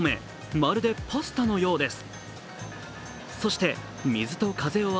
まるでパスタのようです。